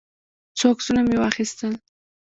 څو عکسونه مې واخیستل.